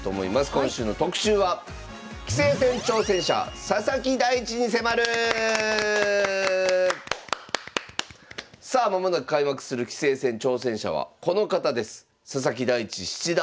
今週の特集はさあ間もなく開幕する棋聖戦挑戦者はこの方です。